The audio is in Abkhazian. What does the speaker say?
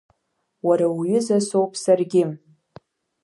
Уара уҩыза соуп саргьы!